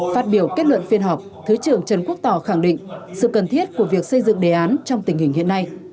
phát biểu kết luận phiên họp thứ trưởng trần quốc tỏ khẳng định sự cần thiết của việc xây dựng đề án trong tình hình hiện nay